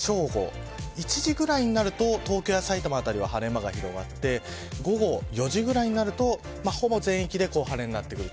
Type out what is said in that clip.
１時ぐらいになると東京や埼玉あたりは晴れ間が広がって午後４時ぐらいになるとほぼ全域で晴れになってくる。